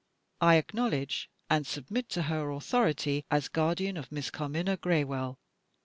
I acknowledge, and submit to, her authority as guardian of Miss Carmina Graywell.